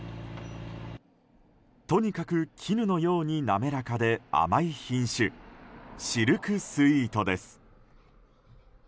とにかく絹のように滑らかで甘い品種、シルクスイートです。